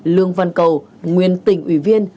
lương văn cầu nguyên tỉnh ủy viên